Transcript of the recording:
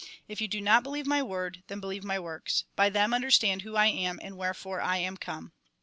If you do not believe my word, then believe my works ; by them understand who I am, and wherefore I am come.